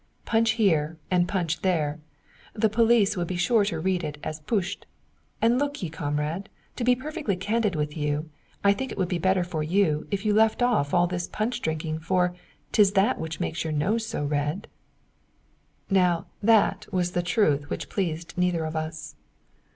"Punch here and punch there! The police would be sure to read it 'putsch.' And look ye, comrade, to be perfectly candid with you, I think it would be better for you if you left off all this punch drinking, for 'tis that which makes your nose so red." [Footnote 102: A riot or sedition.] Now that was the truth which pleased neither of us.